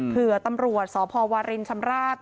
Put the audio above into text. เผื่อตำรวจสพวารินชำราบ